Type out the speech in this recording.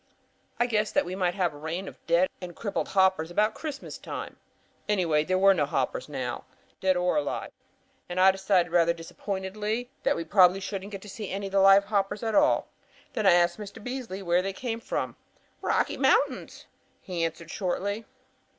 I guessed that we might have a rain of dead and crippled hoppers about Christmas time. Anyway there were no grasshoppers now, dead or alive, in the street. And I decided, rather disappointedly, that we probably shouldn't get to see any of the live hoppers at all. Then I asked Mr. Beasley where they came from. "'Rocky Mountains,' he answered, shortly.